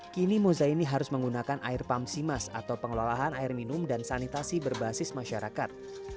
kini mozaini harus menggunakan air pamsimas atau pengelolaan air minum dan sanitasi berbasis masyarakat